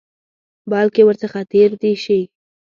بلکې ورڅخه تېر دي شي.